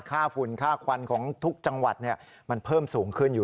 ฝุ่นค่าควันของทุกจังหวัดมันเพิ่มสูงขึ้นอยู่